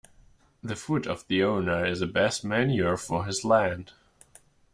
The foot of the owner is the best manure for his land.